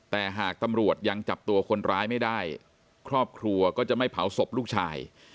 แต่หากตำรวจยังจับตัวคนร้ายไม่ได้ครอบครัวก็จะไม่เผาศพลูกชาย